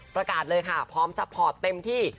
ประกาศเลยค่ะพร้อมซัพพอร์ตเต็มที่